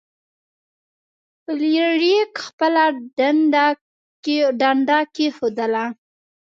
فلیریک خپله ډنډه کیښودله.